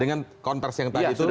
dengan konversi yang tadi itu